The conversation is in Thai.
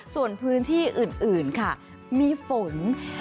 ส่วนพื้นที่อื่นค่ะมีฝน